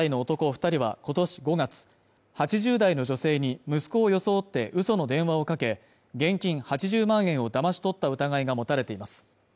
二人はことし５月８０代の女性に息子を装って嘘の電話をかけ現金８０万円をだまし取った疑いが持たれています